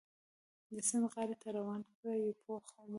د سیند غاړې ته روان کړ، پوخ عمره و.